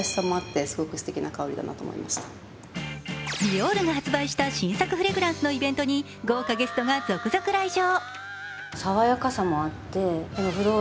ディオールが発売した新作フレグランスのイベントに豪華ゲストが続々来場。